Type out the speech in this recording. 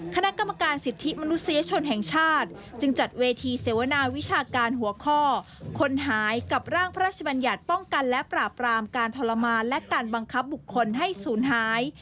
คณะกรรมการสิทธิมนุษยชนแห่งชาติจึงจัดเวทีเสวนาวิชาการหัวข้อคนหายกับร่างพระราชบัญญัติป้องกันและปราบรามการทรมานและการบังคับบุคคลให้ศูนย์หาย